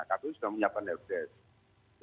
kpu sudah menyiapkan health test